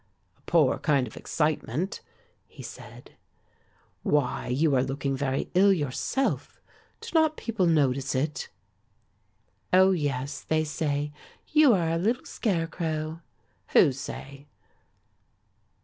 "A poor kind of excitement," he said; "why, you are looking very ill yourself; do not people notice it?" "Oh, yes, they say, 'You are a little scarecrow.'" "Who say?"